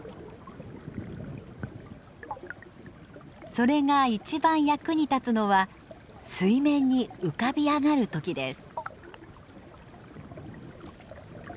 それが一番役に立つのは水面に浮かび上がる時です。